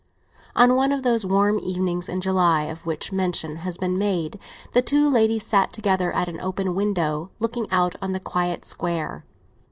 On one of those warm evenings in July of which mention has been made, the two ladies sat together at an open window, looking out on the quiet Square.